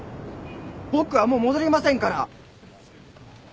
僕はもう戻りませんから！